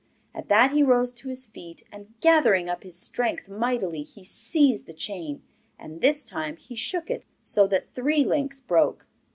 At that he rose to his feet, and gathering up his strength mightily, he seized the chain, and this time he shook it so that three links broke.